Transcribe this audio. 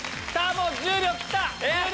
もう１０秒切った！